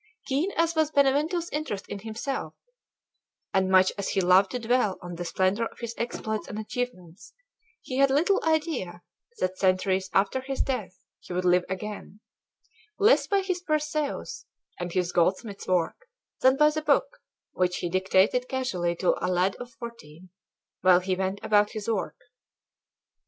Keen as was Benvenuto's interest in himself, and much as he loved to dwell on the splendor of his exploits and achievements, he had little idea that centuries after his death he would live again, less by his "Perseus" and his goldsmith's work than by the book which he dictated casually to a lad of fourteen, while he went about his work.